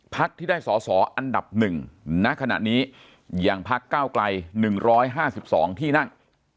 ที่ได้สอสออันดับ๑ณขณะนี้อย่างพักก้าวไกล๑๕๒ที่นั่ง